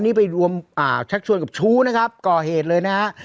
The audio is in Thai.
นี่ไปรวมชักชวนกับชู้นะครับก่อเหตุเลยนะฮะ